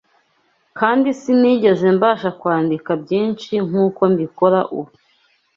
kandi sinigeze mbasha kwandika byinshi nk’uko mbikora ubu